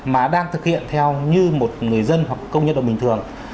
mà đang thực hiện theo như một người dân hoặc công nhân lao bình thường